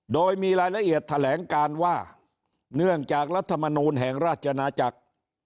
โดยมีรายละเอียดแถลงการว่าเนื่องจากรัฐมนูลแห่งราชนาจักร